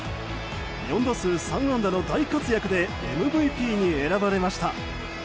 ４打数３安打の大活躍でＭＶＰに選ばれました。